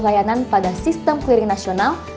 layanan pada sistem clearing nasional